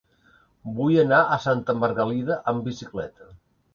Vull anar a Santa Margalida amb bicicleta.